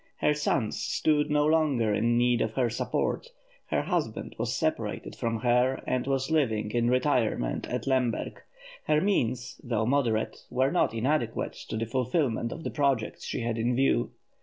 Her sons stood no longer in need of her support; her husband was separated from her and was living in retirement at Lemberg; her means, though moderate, were not inadequate to the fulfilment of the projects she had in view.